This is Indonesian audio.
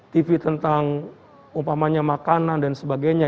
tv tentang umpamanya makanan dan sebagainya